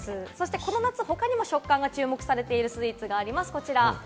この夏、他にも食感が注目されているスイーツがあります、こちら。